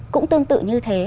cũng tương tự như thế